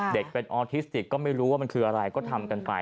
เด็กเป็นออทิสติกก็ไม่รู้ว่ามันคืออะไรก็ทำกันไป